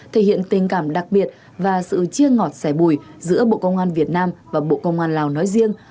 thể hiện tình cảm đặc biệt và sự chia ngọt sẻ bùi giữa bộ công an việt nam và bộ công an lào nói riêng